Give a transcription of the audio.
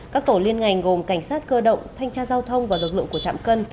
các tổ liên ngành gồm cảnh sát cơ động thanh tra giao thông và lực lượng của trạm cân